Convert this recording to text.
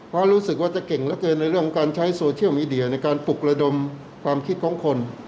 เพราะรู้สึกว่าจะเก่งเหลือเกินในเรื่องของการใช้โซเชียลมีเดียในการปลุกระดมความคิดของคน